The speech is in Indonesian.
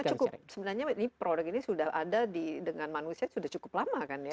karena cukup sebenarnya produk ini sudah ada dengan manusia sudah cukup lama kan ya